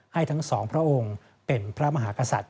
ทั้งสองพระองค์เป็นพระมหากษัตริย